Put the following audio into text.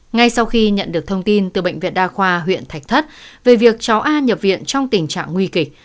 ngay sau khi nhận được thông tin từ bệnh viện đa khoa huyện thạch thất về việc cháu a nhập viện trong tình trạng nguy kịch